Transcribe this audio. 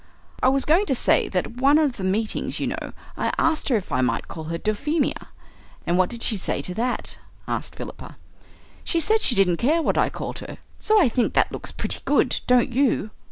"I was going to say that at one of the meetings, you know, I asked her if I might call her Dulphemia." "And what did she say to that?" asked Philippa. "She said she didn't care what I called her. So I think that looks pretty good, don't you?"